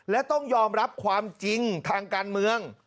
และต้องยอมรับความจริงทางการเมือง